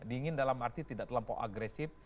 dingin dalam arti tidak terlampau agresif